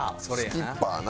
「スキッパー」な。